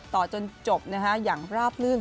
ต่อจนจบนะฮะอย่างราบลื่น